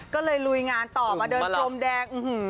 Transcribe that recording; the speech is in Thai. ก็เลยลุยงานต่อมาเดินพรมแดง